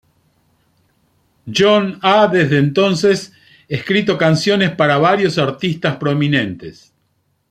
Jon ha desde entonces escrito canciones para varios artistas prominentes.